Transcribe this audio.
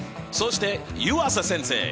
そして湯浅先生。